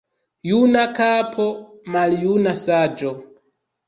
Juna kapo, maljuna saĝo.